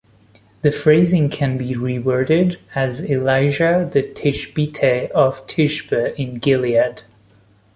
The phrasing can be reworded as Elijah the Tishbite of Tishbe in Gilead.